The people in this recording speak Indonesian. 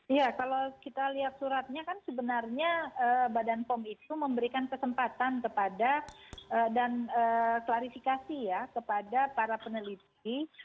iya kalau kita lihat suratnya kan sebenarnya badan pom itu memberikan kesempatan kepada dan klarifikasi ya kepada para peneliti